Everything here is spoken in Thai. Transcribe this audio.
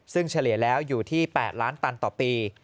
ซึ่งเฉลี่ยแล้วอยู่ที่๘ล้านตันต่อปี